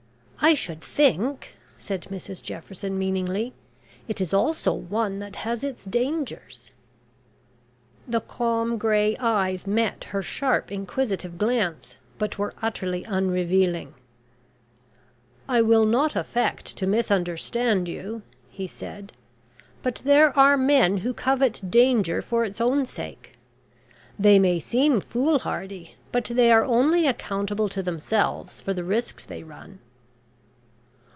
"I should think," said Mrs Jefferson meaningly, "it is also one that has its dangers." The calm grey eyes met her sharp inquisitive glance, but were utterly unrevealing. "I will not affect to misunderstand you," he said, "but there are men who covet danger for its own sake. They may seem foolhardy, but they are only accountable to themselves for the risks they run."